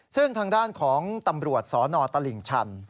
ซึ่งทางด้านของตำรวจสนตลิ่งชัน